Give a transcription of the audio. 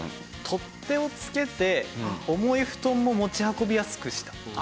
取っ手をつけて重い布団も持ち運びやすくした。